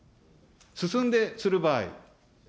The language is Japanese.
進んでする場合。